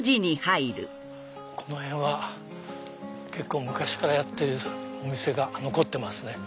この辺は結構昔からやってるお店が残ってますね。